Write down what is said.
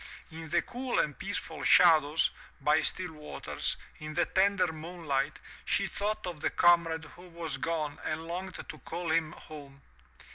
In the cool and peaceful shadows, by still waters, in the tender moonlight, she thought of the comrade who was gone and longed to call him home.